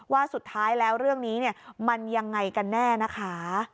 ว่าสุดท้ายแล้วเรื่องนี้มันยังไงกันแน่นะคะ